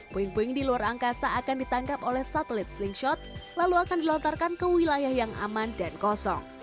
puing puing di luar angkasa akan ditangkap oleh satelit slingshot lalu akan dilontarkan ke wilayah yang aman dan kosong